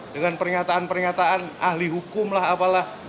dengan pernyataan pernyataan ahli hukum lah apalah